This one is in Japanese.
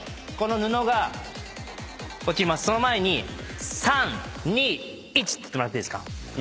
その前に「３２１」って言ってもらっていいですか？